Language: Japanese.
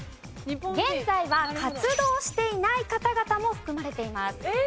現在は活動していない方々も含まれています。